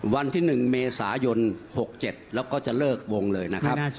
วันที่๑เมษายน๖๗แล้วก็จะเลิกวงเลยนะครับ